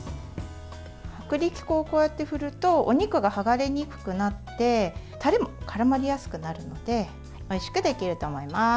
薄力粉をこうやって振るとお肉が、はがれにくくなってタレもからまりやすくなるのでおいしくできると思います。